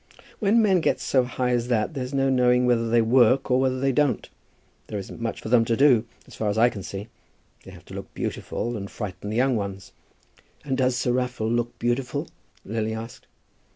"When men get so high as that, there's no knowing whether they work or whether they don't. There isn't much for them to do, as far as I can see. They have to look beautiful, and frighten the young ones." "And does Sir Raffle look beautiful?" Lily asked.